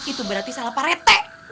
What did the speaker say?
itu berarti salah pak rete